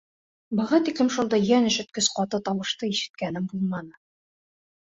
Быға тиклем шундай йән өшөткөс ҡаты тауышты ишеткәнем булманы.